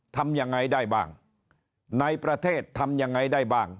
ทำยังไงได้บ้างในประเทศทำยังไงได้บ้าง